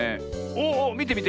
おっおっみてみて。